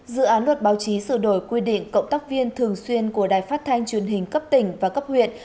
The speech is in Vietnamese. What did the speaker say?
dự án luật báo chí sửa đổi quy định cộng tác viên thường xuyên của đài phát thanh truyền hình cấp tỉnh và cấp huyện